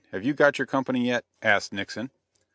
Have you got your company yet?" asked Nixon.